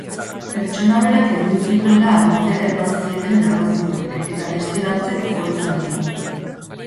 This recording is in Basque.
Pertsona berak egin zituela aditzera eman zieten grabazioek eta testigantzek foruzainei.